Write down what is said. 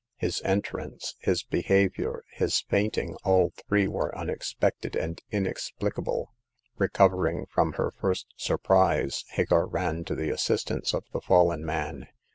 His entrance, his be havior, his fainting — all three were unexpected and inexplicable. Recovering from her first surprise, Hagar ran to the assistance of the fallen man.